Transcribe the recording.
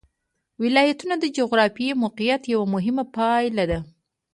ولایتونه د جغرافیایي موقیعت یوه مهمه پایله ده.